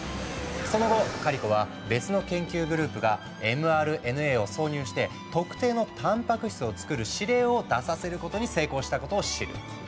その後カリコは別の研究グループがｍＲＮＡを挿入して特定のたんぱく質をつくる指令を出させることに成功したことを知る。